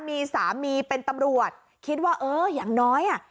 มีสามีเป็นตำรวจคิดว่าเอออย่างน้อยอ่ะ